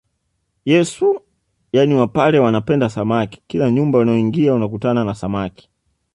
Yesu yaani wapare wanapenda samaki kila nyumba unayoingia utakutana na samaki